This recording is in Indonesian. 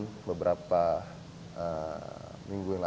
gedang adalah kamera cctv standartnya delapan lay